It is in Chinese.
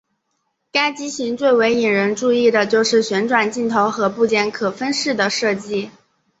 该机型最为引人注意的就是旋转镜头和部件可分式的设计。